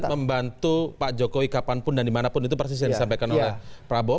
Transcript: membantu pak jokowi kapanpun dan dimanapun itu persis yang disampaikan oleh prabowo